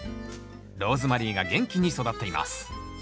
ローズマリーが元気に育っています